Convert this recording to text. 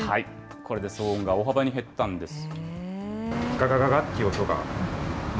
これで騒音が大幅に減ったんです。